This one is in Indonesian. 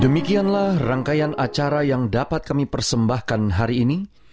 demikianlah rangkaian acara yang dapat kami persembahkan hari ini